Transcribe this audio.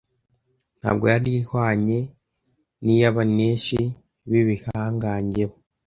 Ntabwo yari ihwanye n'iy'abaneshi b'ibihangange bo